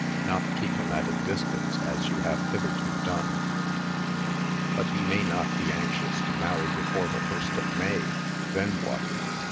Not keep him at a distance, as you have hitherto done." "But he may not be anxious to marry before the 1st of May. Then what?"